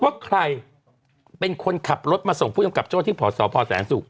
ว่าใครเป็นคนขับรถมาส่งผู้กำกับโจ้ที่พสพแสนศุกร์